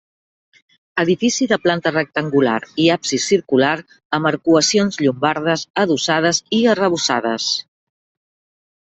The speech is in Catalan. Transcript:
Edifici de planta rectangular i absis circular amb arcuacions llombardes adossades i arrebossades.